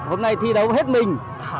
hôm nay thi đấu hết mình